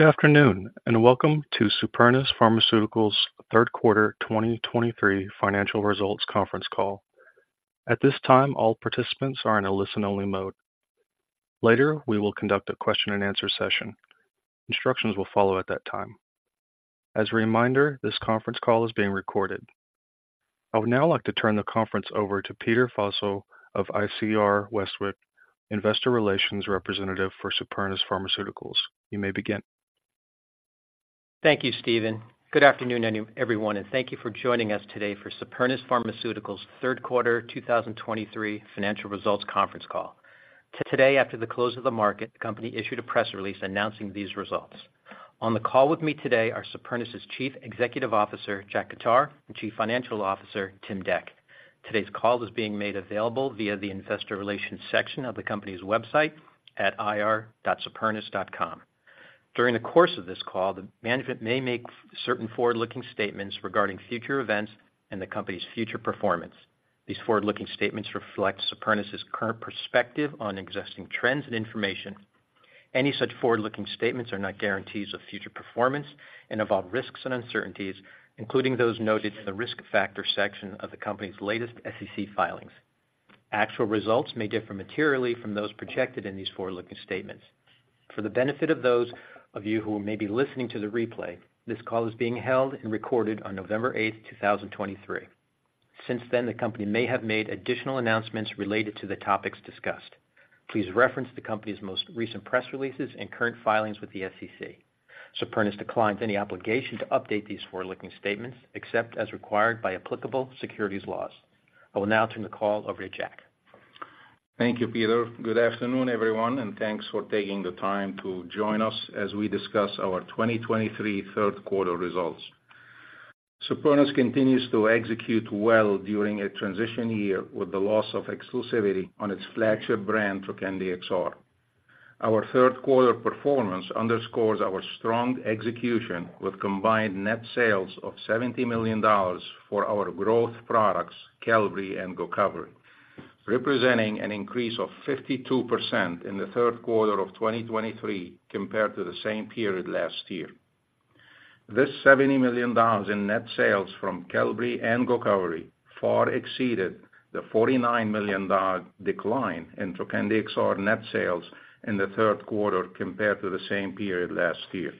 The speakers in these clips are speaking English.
Good afternoon, and welcome to Supernus Pharmaceuticals' third quarter 2023 financial results conference call. At this time, all participants are in a listen-only mode. Later, we will conduct a question-and-answer session. Instructions will follow at that time. As a reminder, this conference call is being recorded. I would now like to turn the conference over to Peter Vozzo of ICR Westwicke, investor relations representative for Supernus Pharmaceuticals. You may begin. Thank you, Steven. Good afternoon, everyone, and thank you for joining us today for Supernus Pharmaceuticals' third quarter 2023 financial results conference call. Today, after the close of the market, the company issued a press release announcing these results. On the call with me today are Supernus's Chief Executive Officer, Jack Khattar, and Chief Financial Officer, Tim Dec. Today's call is being made available via the investor relations section of the company's website at ir.supernus.com. During the course of this call, the management may make certain forward-looking statements regarding future events and the company's future performance. These forward-looking statements reflect Supernus's current perspective on existing trends and information. Any such forward-looking statements are not guarantees of future performance and involve risks and uncertainties, including those noted in the Risk Factors section of the company's latest SEC filings. Actual results may differ materially from those projected in these forward-looking statements. For the benefit of those of you who may be listening to the replay, this call is being held and recorded on November 8, 2023. Since then, the company may have made additional announcements related to the topics discussed. Please reference the company's most recent press releases and current filings with the SEC. Supernus declines any obligation to update these forward-looking statements, except as required by applicable securities laws. I will now turn the call over to Jack. Thank you, Peter. Good afternoon, everyone, and thanks for taking the time to join us as we discuss our 2023 third quarter results. Supernus continues to execute well during a transition year with the loss of exclusivity on its flagship brand, Trokendi XR. Our third quarter performance underscores our strong execution, with combined net sales of $70 million for our growth products, Qelbree and Gocovri, representing an increase of 52% in the third quarter of 2023 compared to the same period last year. This $70 million in net sales from Qelbree and Gocovri far exceeded the $49 million decline in Trokendi XR net sales in the third quarter compared to the same period last year.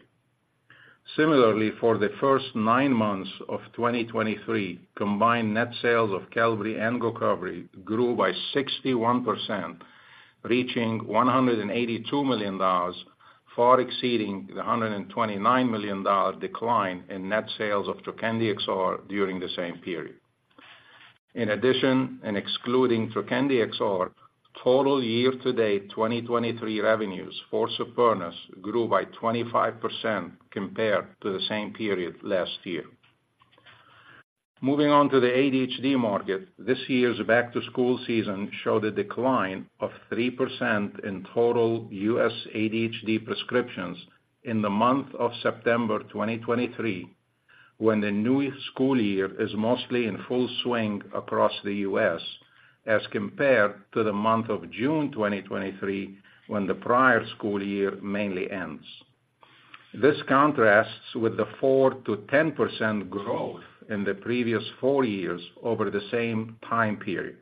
Similarly, for the first nine months of 2023, combined net sales of Qelbree and Gocovri grew by 61%, reaching $182 million, far exceeding the $129 million decline in net sales of Trokendi XR during the same period. In addition, and excluding Trokendi XR, total year-to-date 2023 revenues for Supernus grew by 25% compared to the same period last year. Moving on to the ADHD market, this year's back-to-school season showed a decline of 3% in total U.S. ADHD prescriptions in the month of September 2023, when the new school year is mostly in full swing across the U.S., as compared to the month of June 2023, when the prior school year mainly ends. This contrasts with the 4%-10% growth in the previous four years over the same time period.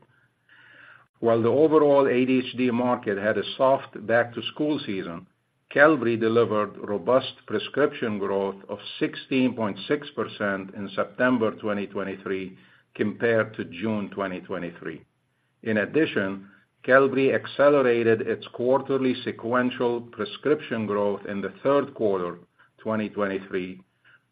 While the overall ADHD market had a soft back-to-school season, Qelbree delivered robust prescription growth of 16.6% in September 2023, compared to June 2023. In addition, Qelbree accelerated its quarterly sequential prescription growth in the third quarter 2023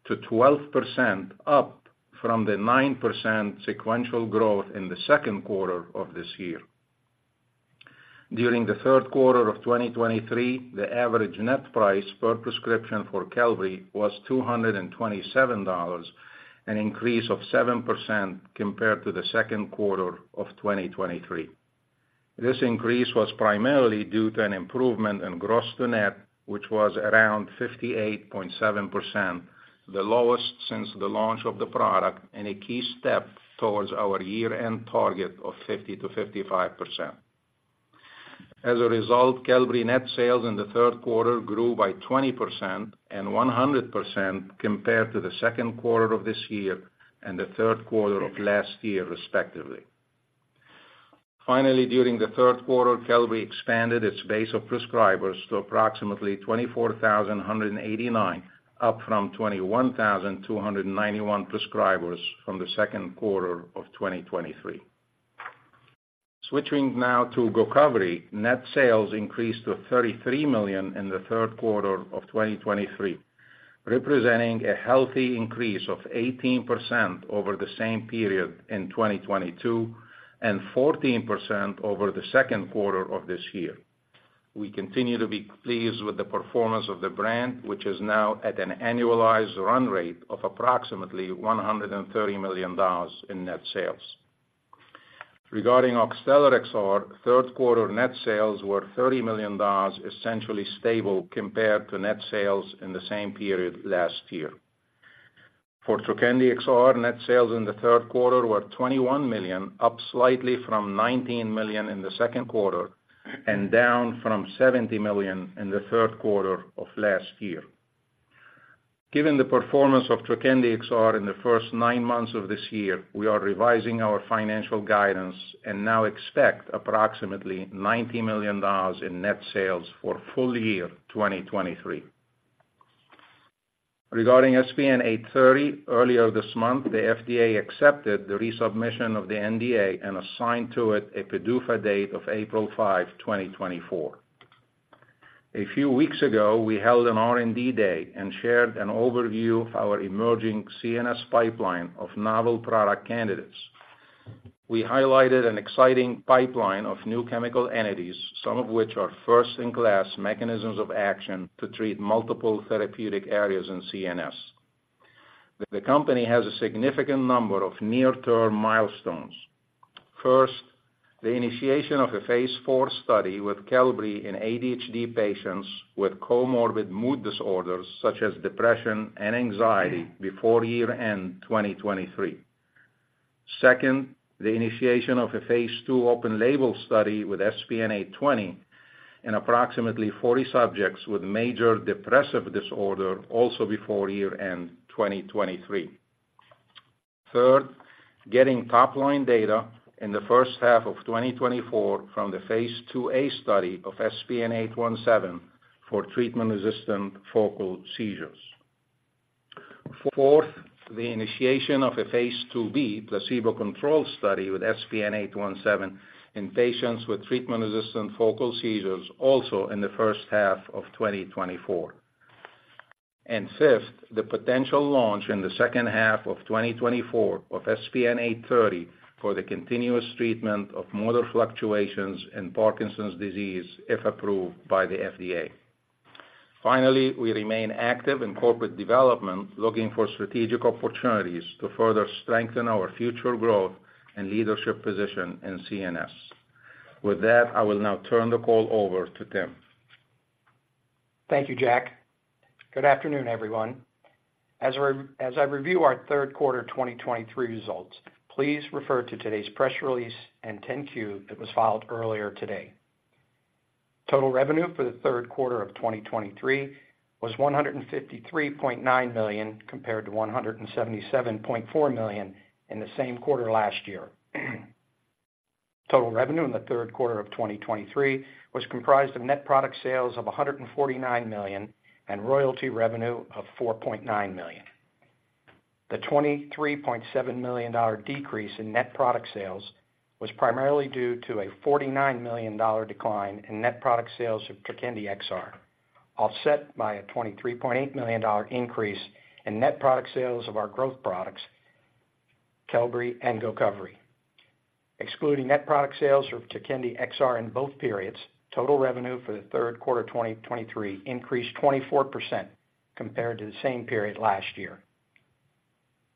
to 12%, up from the 9% sequential growth in the second quarter of this year. During the third quarter of 2023, the average net price per prescription for Qelbree was $227, an increase of 7% compared to the second quarter of 2023. This increase was primarily due to an improvement in gross to net, which was around 58.7%, the lowest since the launch of the product, and a key step towards our year-end target of 50%-55%. As a result, Qelbree net sales in the third quarter grew by 20% and 100% compared to the second quarter of this year and the third quarter of last year, respectively. Finally, during the third quarter, Qelbree expanded its base of prescribers to approximately 24,789, up from 21,291 prescribers from the second quarter of 2023. Switching now to GOCOVRI, net sales increased to $33 million in the third quarter of 2023, representing a healthy increase of 18% over the same period in 2022 and 14% over the second quarter of this year. We continue to be pleased with the performance of the brand, which is now at an annualized run rate of approximately $130 million in net sales. Regarding Oxtellar XR, third quarter net sales were $30 million, essentially stable compared to net sales in the same period last year. For Trokendi XR, net sales in the third quarter were $21 million, up slightly from $19 million in the second quarter, and down from $70 million in the third quarter of last year. Given the performance of Trokendi XR in the first nine months of this year, we are revising our financial guidance and now expect approximately $90 million in net sales for full year 2023. Regarding SPN-830, earlier this month, the FDA accepted the resubmission of the NDA and assigned to it a PDUFA date of April 5, 2024. A few weeks ago, we held an R&D day and shared an overview of our emerging CNS pipeline of novel product candidates. We highlighted an exciting pipeline of new chemical entities, some of which are first-in-class mechanisms of action to treat multiple therapeutic areas in CNS. The company has a significant number of near-term milestones. First, the initiation of a phase IV study with Qelbree in ADHD patients with comorbid mood disorders, such as depression and anxiety, before year-end 2023. Second, the initiation of a Phase II open label study with SPN-820 in approximately 40 subjects with major depressive disorder also before year-end 2023. Third, getting top-line data in the first half of 2024 from the Phase II-A study of SPN-817 for treatment-resistant focal seizures. Fourth, the initiation of a Phase II-B placebo-controlled study with SPN-817 in patients with treatment-resistant focal seizures, also in the first half of 2024. And fifth, the potential launch in the second half of 2024 of SPN-830 for the continuous treatment of motor fluctuations in Parkinson's disease, if approved by the FDA. Finally, we remain active in corporate development, looking for strategic opportunities to further strengthen our future growth and leadership position in CNS. With that, I will now turn the call over to Tim. Thank you, Jack. Good afternoon, everyone. As I review our third quarter 2023 results, please refer to today's press release and 10-Q that was filed earlier today. Total revenue for the third quarter of 2023 was $153.9 million, compared to $177.4 million in the same quarter last year. Total revenue in the third quarter of 2023 was comprised of net product sales of $149 million and royalty revenue of $4.9 million. The $23.7 million decrease in net product sales was primarily due to a $49 million decline in net product sales of Trokendi XR, offset by a $23.8 million increase in net product sales of our growth products, Qelbree and GOCOVRI. Excluding net product sales of Trokendi XR in both periods, total revenue for the third quarter 2023 increased 24% compared to the same period last year.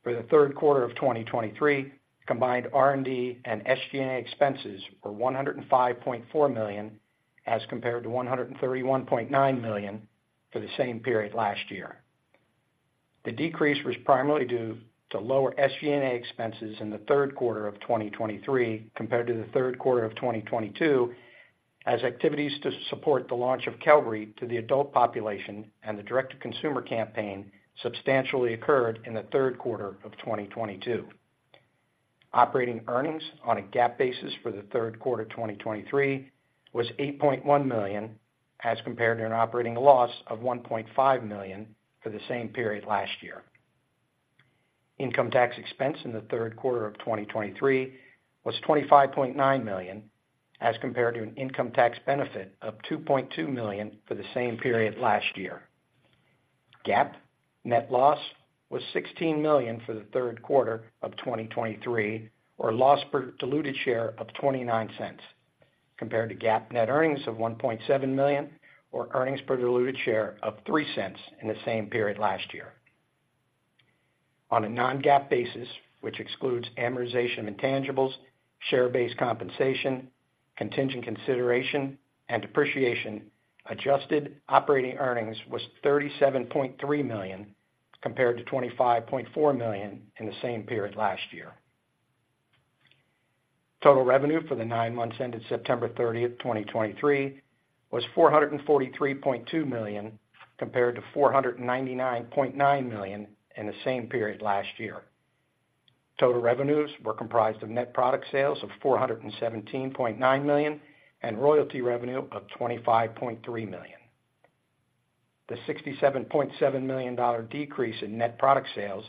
For the third quarter of 2023, combined R&D and SG&A expenses were $105.4 million, as compared to $131.9 million for the same period last year. The decrease was primarily due to lower SG&A expenses in the third quarter of 2023 compared to the third quarter of 2022, as activities to support the launch of Qelbree to the adult population and the direct-to-consumer campaign substantially occurred in the third quarter of 2022. Operating earnings on a GAAP basis for the third quarter 2023 was $8.1 million, as compared to an operating loss of $1.5 million for the same period last year. Income tax expense in the third quarter of 2023 was $25.9 million, as compared to an income tax benefit of $2.2 million for the same period last year. GAAP net loss was $16 million for the third quarter of 2023, or a loss per diluted share of $0.29, compared to GAAP net earnings of $1.7 million, or earnings per diluted share of $0.03 in the same period last year. On a non-GAAP basis, which excludes amortization of intangibles, share-based compensation, contingent consideration, and depreciation, adjusted operating earnings was $37.3 million, compared to $25.4 million in the same period last year. Total revenue for the nine months ended September 30, 2023, was $443.2 million, compared to $499.9 million in the same period last year. Total revenues were comprised of net product sales of $417.9 million and royalty revenue of $25.3 million. The $67.7 million decrease in net product sales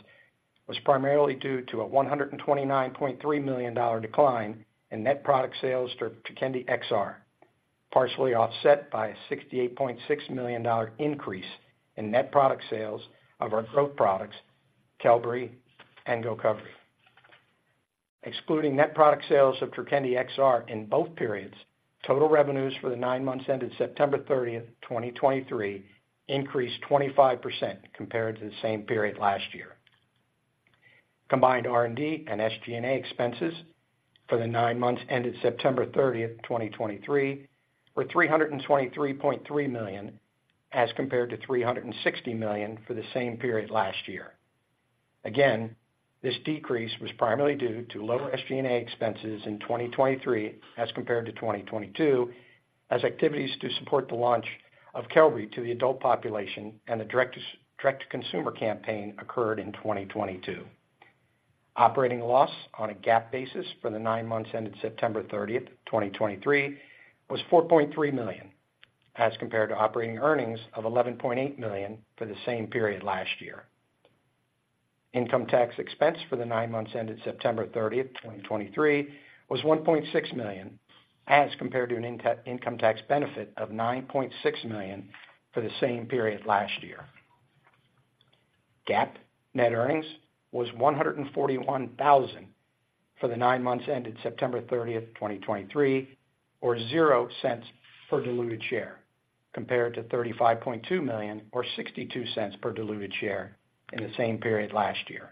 was primarily due to a $129.3 million decline in net product sales of Trokendi XR, partially offset by a $68.6 million increase in net product sales of our growth products, Qelbree and GOCOVRI. Excluding net product sales of Trokendi XR in both periods, total revenues for the nine months ended September 30, 2023, increased 25% compared to the same period last year. Combined R&D and SG&A expenses for the nine months ended September 30, 2023, were $323.3 million, as compared to $360 million for the same period last year. Again, this decrease was primarily due to lower SG&A expenses in 2023 as compared to 2022, as activities to support the launch of Qelbree to the adult population and the direct-to-consumer campaign occurred in 2022. Operating loss on a GAAP basis for the nine months ended September 30th, 2023, was $4.3 million, as compared to operating earnings of $11.8 million for the same period last year. Income tax expense for the nine months ended September 30th, 2023, was $1.6 million, as compared to an income tax benefit of $9.6 million for the same period last year. GAAP net earnings was $141,000 for the nine months ended September 30th, 2023, or 0 cents per diluted share, compared to $35.2 million or 62 cents per diluted share in the same period last year.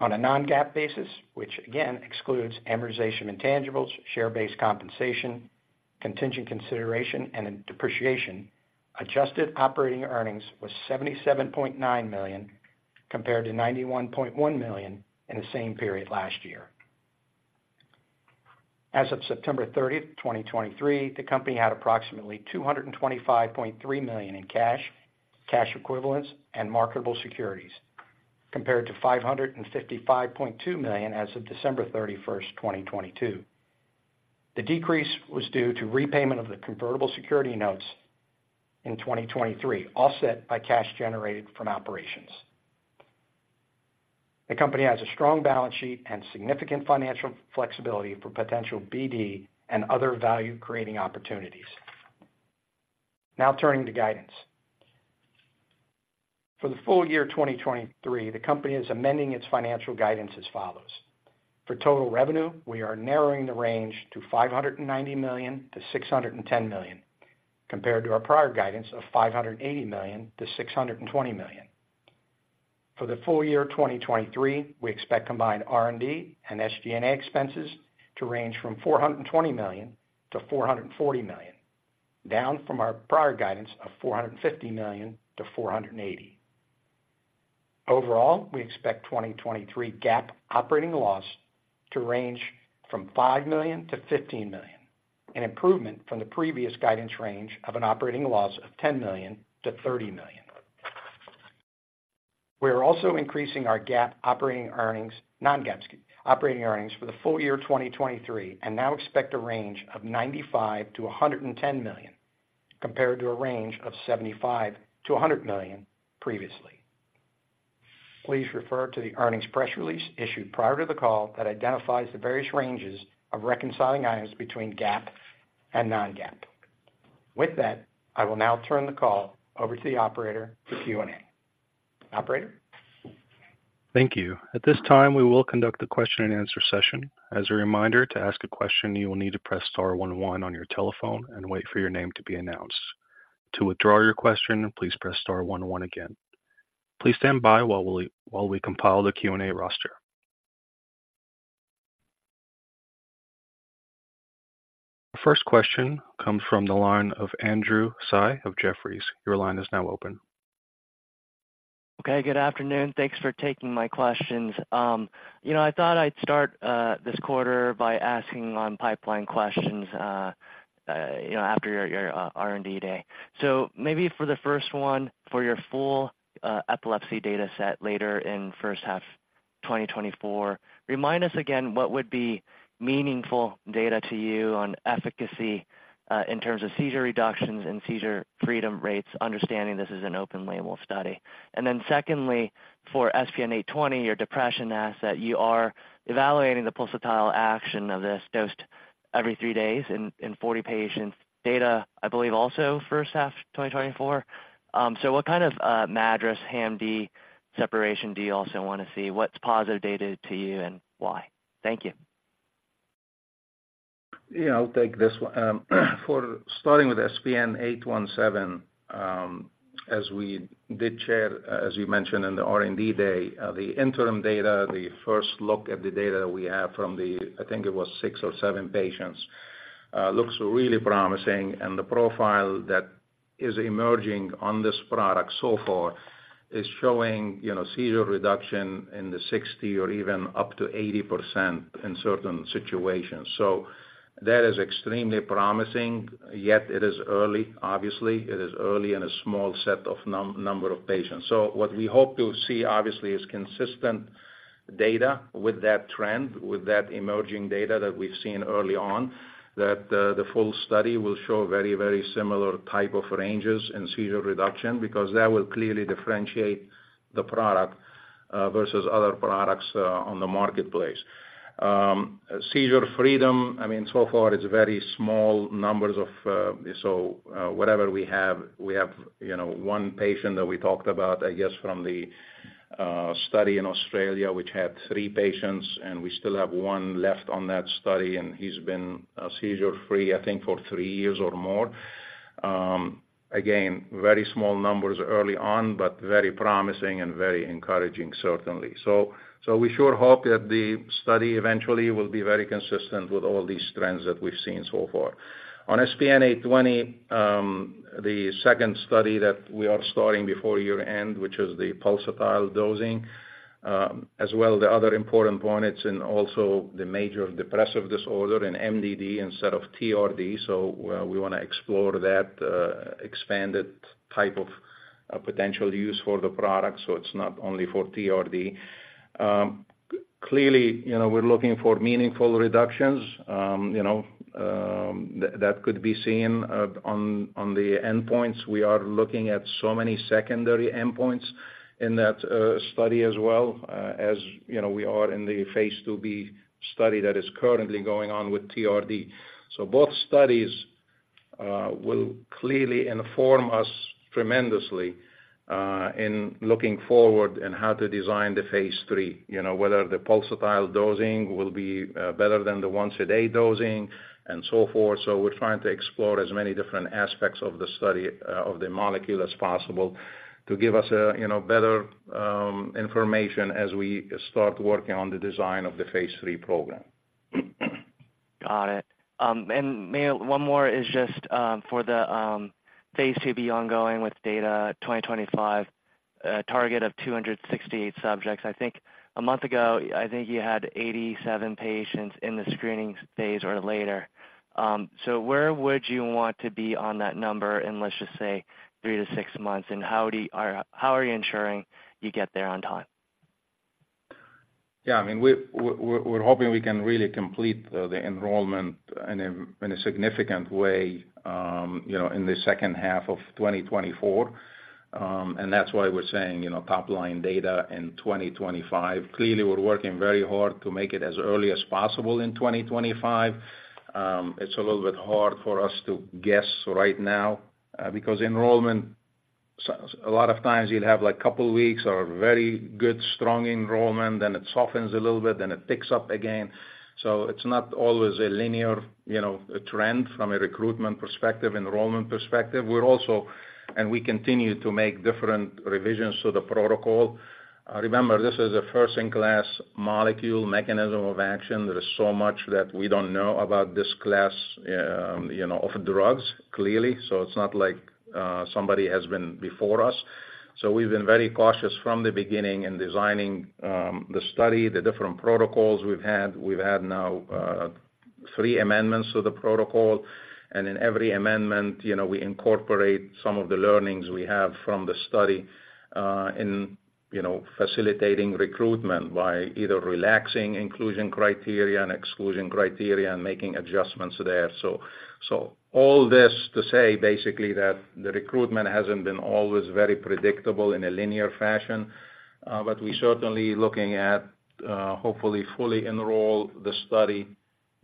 On a Non-GAAP basis, which again excludes amortization intangibles, share-based compensation, contingent consideration, and depreciation, adjusted operating earnings was $77.9 million, compared to $91.1 million in the same period last year. As of September 30th, 2023, the company had approximately $225.3 million in cash, cash equivalents, and marketable securities, compared to $555.2 million as of December 31st, 2022. The decrease was due to repayment of the convertible security notes in 2023, offset by cash generated from operations. The company has a strong balance sheet and significant financial flexibility for potential BD and other value-creating opportunities. Now turning to guidance. For the full year 2023, the company is amending its financial guidance as follows: For total revenue, we are narrowing the range to $590 million-$610 million, compared to our prior guidance of $580 million-$620 million. For the full year 2023, we expect combined R&D and SG&A expenses to range from $420 million-$440 million, down from our prior guidance of $450 million-$480 million. Overall, we expect 2023 GAAP operating loss to range from $5 million-$15 million, an improvement from the previous guidance range of an operating loss of $10 million-$30 million. We are also increasing our GAAP operating earnings- non-GAAP operating earnings for the full year 2023, and now expect a range of $95-$110 million, compared to a range of $75-$100 million previously. Please refer to the earnings press release issued prior to the call that identifies the various ranges of reconciling items between GAAP and non-GAAP. With that, I will now turn the call over to the operator for Q&A. Operator? Thank you. At this time, we will conduct a question-and-answer session. As a reminder, to ask a question, you will need to press star one one on your telephone and wait for your name to be announced. To withdraw your question, please press star one one again. Please stand by while we compile the Q&A roster. Our first question comes from the line of Andrew Tsai of Jefferies. Your line is now open. Okay, good afternoon. Thanks for taking my questions. You know, I thought I'd start this quarter by asking on pipeline questions, you know, after your R&D day. So maybe for the first one, for your full epilepsy data set later in first half 2024, remind us again what would be meaningful data to you on efficacy in terms of seizure reductions and seizure freedom rates, understanding this is an open label study. And then secondly, for SPN820, your depression asset, you are evaluating the pulsatile action of this dosed every three days in 40 patients. Data, I believe, also first half 2024. So what kind of MADRS, HAM-D separation do you also want to see? What's positive data to you and why? Thank you. Yeah, I'll take this one. For starting with SPN-817, as we did share, as you mentioned in the R&D Day, the interim data, the first look at the data we have from the, I think it was six or seven patients, looks really promising, and the profile that is emerging on this product so far is showing, you know, seizure reduction in the 60% or even up to 80% in certain situations. So that is extremely promising, yet it is early. Obviously, it is early in a small set of number of patients. So what we hope to see, obviously, is consistent data with that trend, with that emerging data that we've seen early on, that, the full study will show very, very similar type of ranges in seizure reduction, because that will clearly differentiate the product, versus other products, on the marketplace. Seizure freedom, I mean, so far, it's very small numbers of, so, whatever we have, we have, you know, one patient that we talked about, I guess, from the, study in Australia, which had three patients, and we still have one left on that study, and he's been, seizure-free, I think, for three years or more.... Again, very small numbers early on, but very promising and very encouraging, certainly. So we sure hope that the study eventually will be very consistent with all these trends that we've seen so far. On SPN-820, the second study that we are starting before year-end, which is the pulsatile dosing, as well, the other important point, it's in also the major depressive disorder in MDD instead of TRD. So we wanna explore that expanded type of potential use for the product, so it's not only for TRD. Clearly, you know, we're looking for meaningful reductions, you know, that could be seen on the endpoints. We are looking at so many secondary endpoints in that study as well, as you know, we are in the Phase II-B study that is currently going on with TRD. Both studies will clearly inform us tremendously in looking forward in how to design the phase III. You know, whether the pulsatile dosing will be better than the once a day dosing and so forth. We're trying to explore as many different aspects of the study of the molecule as possible to give us a, you know, better information as we start working on the design of the phase III program. Got it. And may I... One more is just for the phase II-B ongoing with data 2025, target of 268 subjects. I think a month ago, I think you had 87 patients in the screening phase or later. So where would you want to be on that number in, let's just say, three to six months, and how do, or how are you ensuring you get there on time? Yeah, I mean, we're hoping we can really complete the enrollment in a significant way, you know, in the second half of 2024. And that's why we're saying, you know, top line data in 2025. Clearly, we're working very hard to make it as early as possible in 2025. It's a little bit hard for us to guess right now, because enrollment, a lot of times you'll have, like, couple weeks or very good, strong enrollment, then it softens a little bit, then it picks up again. So it's not always a linear, you know, trend from a recruitment perspective, enrollment perspective. We're also, and we continue to make different revisions to the protocol. Remember, this is a first-in-class molecule mechanism of action. There is so much that we don't know about this class, you know, of drugs, clearly, so it's not like somebody has been before us. So we've been very cautious from the beginning in designing the study, the different protocols we've had. We've had now three amendments to the protocol, and in every amendment, you know, we incorporate some of the learnings we have from the study in, you know, facilitating recruitment by either relaxing inclusion criteria and exclusion criteria and making adjustments there. So all this to say, basically, that the recruitment hasn't been always very predictable in a linear fashion, but we certainly looking at hopefully fully enroll the study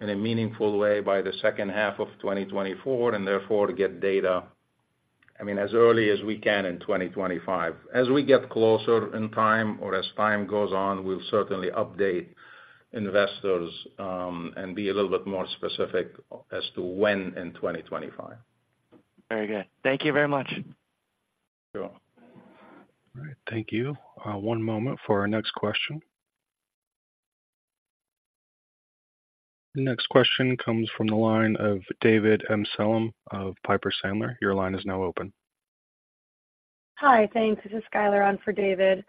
in a meaningful way by the second half of 2024, and therefore, to get data, I mean, as early as we can in 2025. As we get closer in time or as time goes on, we'll certainly update investors, and be a little bit more specific as to when in 2025. Very good. Thank you very much. Sure. All right. Thank you. One moment for our next question. The next question comes from the line of David Amsellem of Piper Sandler. Your line is now open. Hi, thanks. This is Skyler on for David.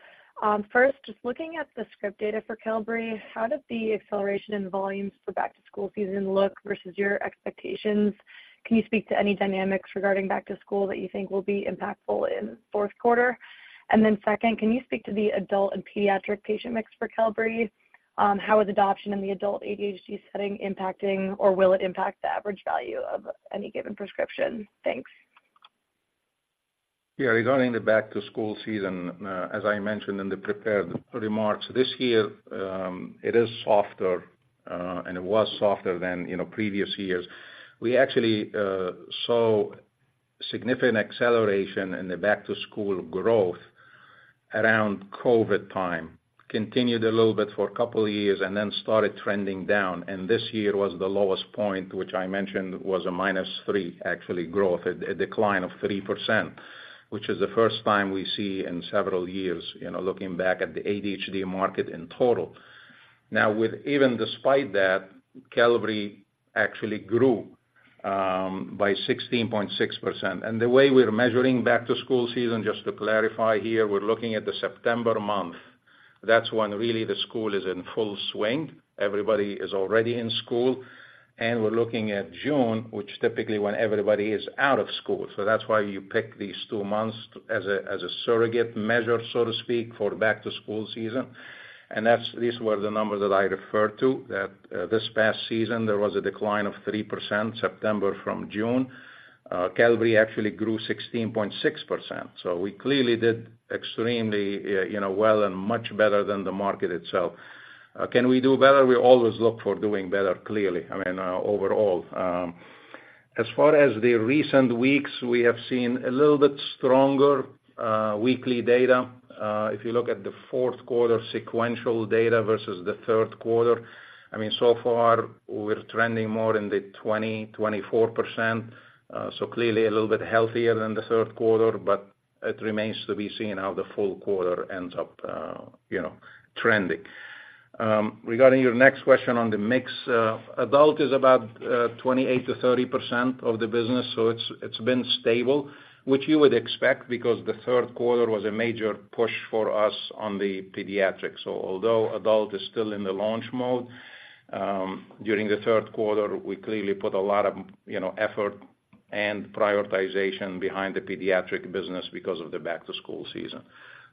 First, just looking at the script data for Qelbree, how does the acceleration in volumes for back to school season look versus your expectations? Can you speak to any dynamics regarding back to school that you think will be impactful in fourth quarter? And then second, can you speak to the adult and pediatric patient mix for Qelbree? How is adoption in the adult ADHD setting impacting, or will it impact the average value of any given prescription? Thanks. Yeah. Regarding the back to school season, as I mentioned in the prepared remarks, this year it is softer, and it was softer than, you know, previous years. We actually saw significant acceleration in the back to school growth around COVID time, continued a little bit for a couple of years and then started trending down, and this year was the lowest point, which I mentioned was a minus three, actually, growth, a decline of 3%, which is the first time we see in several years, you know, looking back at the ADHD market in total. Now, with even despite that, Qelbree actually grew by 16.6%. And the way we're measuring back to school season, just to clarify here, we're looking at the September month. That's when really the school is in full swing. Everybody is already in school, and we're looking at June, which typically when everybody is out of school. So that's why you pick these two months as a surrogate measure, so to speak, for back to school season. And that's. These were the numbers that I referred to, that this past season, there was a decline of 3%, September from June. Qelbree actually grew 16.6%, so we clearly did extremely, you know, well and much better than the market itself. Can we do better? We always look for doing better, clearly, I mean, overall. As far as the recent weeks, we have seen a little bit stronger weekly data. If you look at the fourth quarter sequential data versus the third quarter, I mean, so far, we're trending more in the 20%-24%. So clearly a little bit healthier than the third quarter, but it remains to be seen how the full quarter ends up, you know, trending. Regarding your next question on the mix, adult is about 28%-30% of the business, so it's, it's been stable, which you would expect, because the third quarter was a major push for us on the pediatrics. So although adult is still in the launch mode, during the third quarter, we clearly put a lot of, you know, effort and prioritization behind the pediatric business because of the back-to-school season.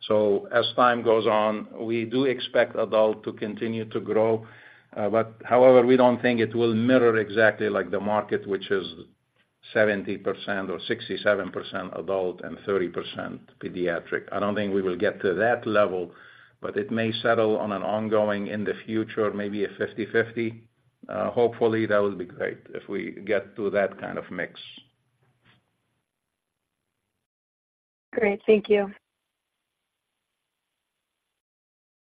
So as time goes on, we do expect adult to continue to grow, but however, we don't think it will mirror exactly like the market, which is 70% or 67% adult and 30% pediatric. I don't think we will get to that level, but it may settle on an ongoing in the future, maybe a 50/50. Hopefully, that will be great if we get to that kind of mix. Great. Thank you.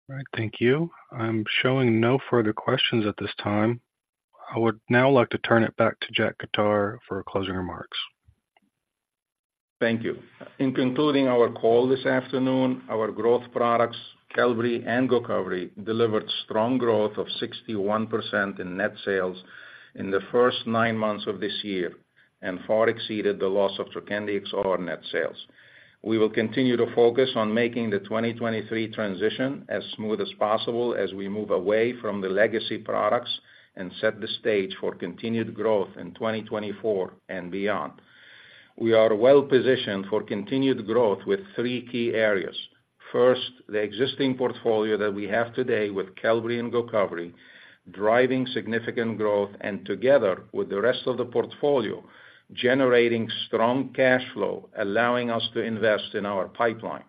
All right. Thank you. I'm showing no further questions at this time. I would now like to turn it back to Jack Khattar for closing remarks. Thank you. In concluding our call this afternoon, our growth products, Qelbree and GOCOVRI, delivered strong growth of 61% in net sales in the first nine months of this year, and far exceeded the loss of Trokendi XR net sales. We will continue to focus on making the 2023 transition as smooth as possible as we move away from the legacy products and set the stage for continued growth in 2024 and beyond. We are well positioned for continued growth with three key areas. First, the existing portfolio that we have today with Qelbree and GOCOVRI, driving significant growth, and together with the rest of the portfolio, generating strong cash flow, allowing us to invest in our pipeline.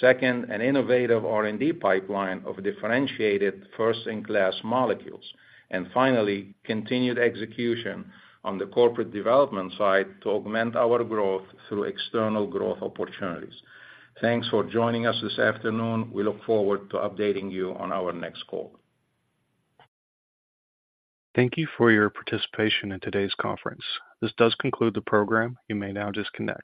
Second, an innovative R&D pipeline of differentiated first-in-class molecules. And finally, continued execution on the corporate development side to augment our growth through external growth opportunities. Thanks for joining us this afternoon. We look forward to updating you on our next call. Thank you for your participation in today's conference. This does conclude the program. You may now disconnect.